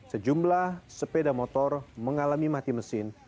sejumlah sepeda motor mengalami mati mesin